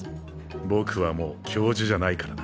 僕はもう教授じゃないからな。